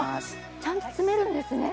ちゃんと詰めるんですね。